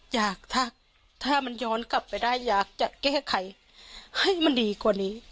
อยากถ้ามันย้อนกลับไปได้อยากจะแก้ไขให้มันดีกว่านี้